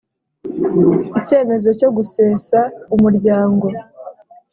icyemezo cyo gusesa umuryango